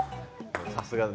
さすがに。